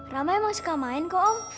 rama emang suka main kok om